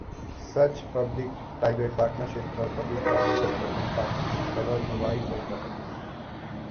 Such public-private partnerships or public-private development partnerships cover a wide range of activities.